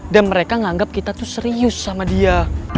dan mereka nganggep kita tuh serius sama dia